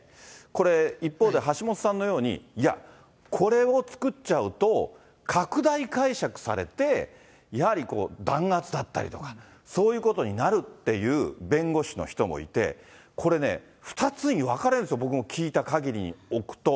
これ、一方で橋下さんのように、いや、これを作っちゃうと、拡大解釈されて、やはり弾圧だったりとか、そういうことになるっていう弁護士の人もいて、これね、２つに分かれると、僕も聞いたかぎりにおくと。